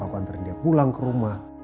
aku antren dia pulang ke rumah